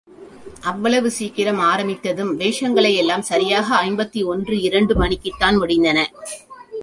அவ்வளவு சீக்கிரம் ஆரம்பித்தும் வேஷங்களெல்லாம் சரியாக ஐம்பத்தொன்று இரண்டு மணிக்குத் தான் முடிந்தன.